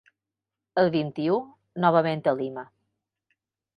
El vint-i-u novament a Lima.